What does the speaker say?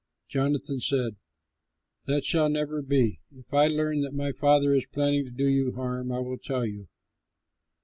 Jonathan said, "That shall never be! If I learn that my father is planning to do you harm, I will tell you."